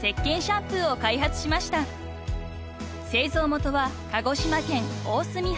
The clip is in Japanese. ［製造元は鹿児島県大隅半島］